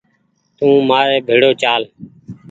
تو مآري ڀيڙو چآل